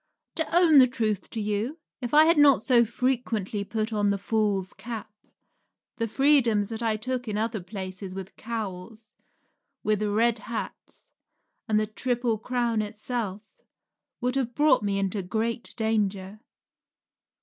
To own the truth to you, if I had not so frequently put on the fool's cap, the freedoms I took in other places with cowls, with Red Hats, and the Triple Crown itself, would have brought me into great danger.